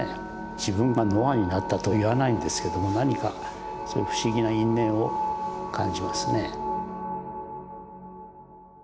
自分がノアになったとは言わないんですけども何かそういう不思議な因縁を感じますね。